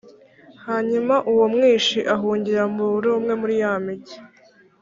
hanyuma uwo mwishi agahungira muri umwe muri ya migi,